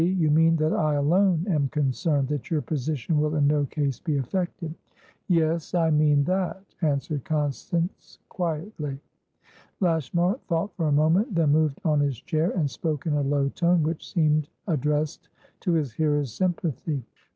You mean that I alone am concerned; that your position will in no case be affected?" "Yes, I mean that," answered Constance, quietly. Lashmar thought for a moment, then moved on his chair, and spoke in a low tone, which seemed addressed to his hearer's sympathy.